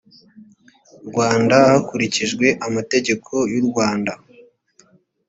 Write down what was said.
rwanda hakurikijwe amategeko y u rwanda